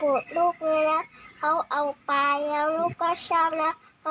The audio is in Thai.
พูดค่ะเสียใจไหม